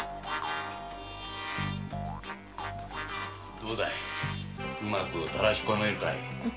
どうだいうまくたらしこめるかい？